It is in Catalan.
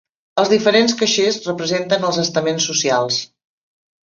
Els diferents caixers representen els estaments socials.